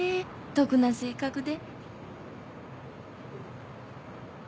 得な性格で。